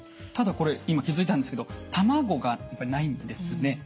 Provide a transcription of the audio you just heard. ただこれ今気付いたんですけど卵がやっぱりないんですね。